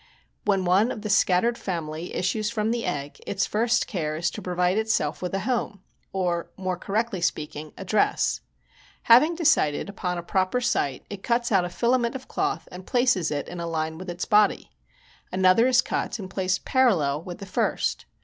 When one of the scattered family issues from the egg its first care is to provide itself with a home, or more correctly speaking, a dress. Having decided upon a proper site it cuts out a filament of cloth and places it on a line with its body. Another is cut and placed parallel with the first.